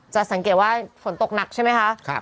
สังเกตว่าฝนตกหนักใช่ไหมคะ